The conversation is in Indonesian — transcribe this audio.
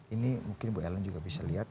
ini mungkin bu ellen juga bisa lihat